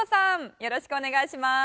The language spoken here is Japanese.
よろしくお願いします。